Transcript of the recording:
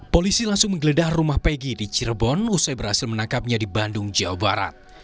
polisi langsung menggeledah rumah pegi di cirebon usai berhasil menangkapnya di bandung jawa barat